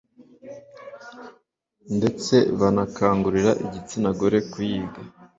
ndetse banakangurira igitsina gore kuyiga